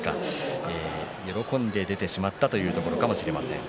喜んで出てしまったというところかもしれません。